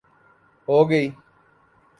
ہو گی